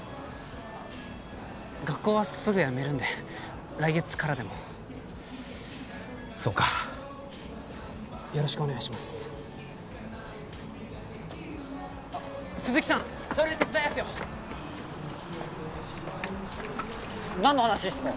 あ学校はすぐやめるんで来月からでもそっかよろしくお願いしますあっ鈴木さんそれ手伝いますよ何の話っすか？